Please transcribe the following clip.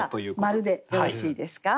じゃあ○でよろしいですか。